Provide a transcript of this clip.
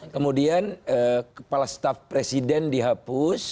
kemudian kepala staf presiden dihapus